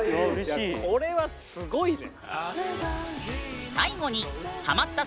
いやこれはすごいね。